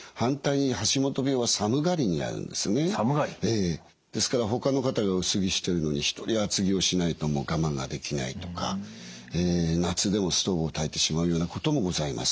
ええですからほかの方が薄着してるのに一人厚着をしないと我慢ができないとか夏でもストーブをたいてしまうようなこともございます。